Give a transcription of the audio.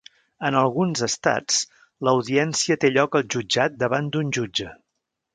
En alguns estats, l'audiència té lloc al jutjat davant d'un jutge.